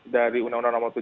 dari undang undang nomor tujuh